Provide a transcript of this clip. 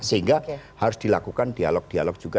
sehingga harus dilakukan dialog dialog juga